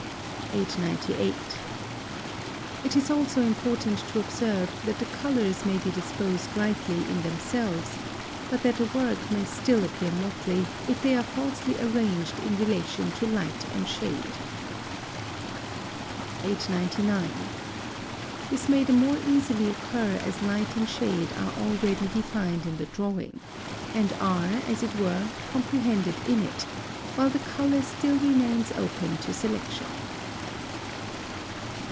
898. It is also important to observe that the colours may be disposed rightly in themselves, but that a work may still appear motley, if they are falsely arranged in relation to light and shade. 899. This may the more easily occur as light and shade are already defined in the drawing, and are, as it were, comprehended in it, while the colour still remains open to selection.